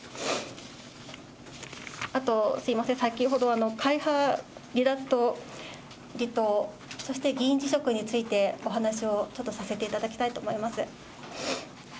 あと、すみません、先ほど、会派離脱と離党、そして議員辞職についてお話をちょっとさせていただきたいと思います。